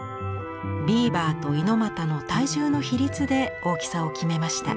ビーバーとＩＮＯＭＡＴＡの体重の比率で大きさを決めました。